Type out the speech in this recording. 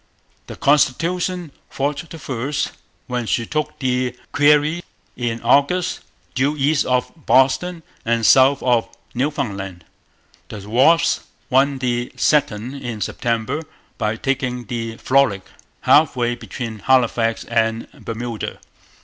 The Constitution fought the first, when she took the Guerriere in August, due east of Boston and south of Newfoundland. The Wasp won the second in September, by taking the Frolic half way between Halifax and Bermuda.